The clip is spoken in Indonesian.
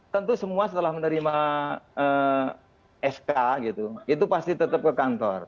tentu semua setelah menerima sk gitu itu pasti tetap ke kantor